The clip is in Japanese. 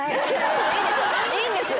いいんですよ。